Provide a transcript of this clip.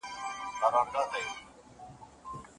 ایا بهرني سوداګر وچ توت صادروي؟